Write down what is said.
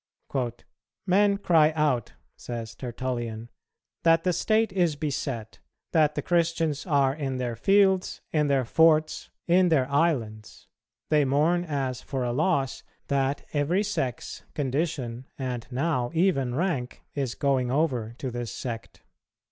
"Men cry out," says Tertullian, "that the state is beset, that the Christians are in their fields, in their forts, in their islands. They mourn as for a loss that every sex, condition, and now even rank, is going over to this sect.